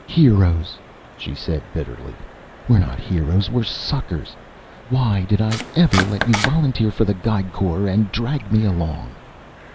"Heroes," she said bitterly. "We're not heroes we're suckers! Why did I ever let you volunteer for the Geig Corps and drag me along?"